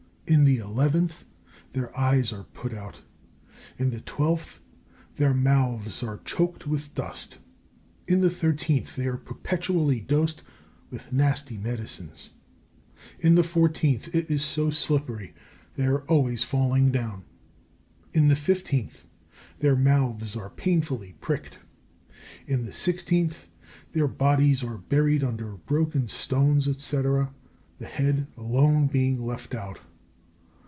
In the eleventh, their eyes are put out. In the twelfth, their mouths are choked with dust. In the thirteenth, they are perpetually dosed with nasty medicines. In the fourteenth, it is so slippery they are always falling down. In the fifteenth, their mouths are painfully pricked. In the sixteenth, their bodies are buried under broken stones, &c., the head alone being left out.